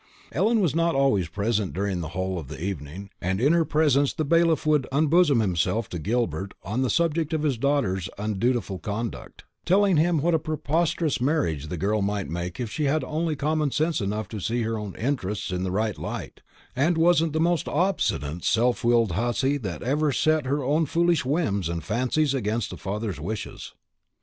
Ellen was not always present during the whole of the evening, and in her absence the bailiff would unbosom himself to Gilbert on the subject of his daughter's undutiful conduct; telling him what a prosperous marriage the girl might make if she had only common sense enough to see her own interests in the right light, and wasn't the most obstinate self willed hussy that ever set her own foolish whims and fancies against a father's wishes.